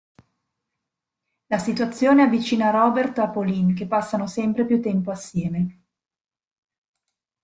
La situazione avvicina Robert a Pauline che passano sempre più tempo assieme.